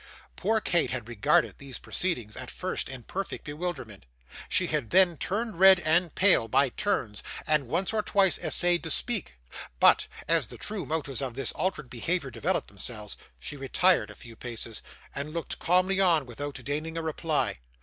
Poor Kate had regarded these proceedings, at first, in perfect bewilderment. She had then turned red and pale by turns, and once or twice essayed to speak; but, as the true motives of this altered behaviour developed themselves, she retired a few paces, and looked calmly on without deigning a reply.